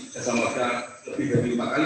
jasa marga lebih dari lima kali